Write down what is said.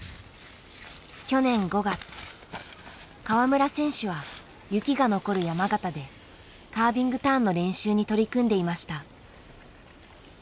川村選手は雪が残る山形でカービングターンの練習に取り組んでいました。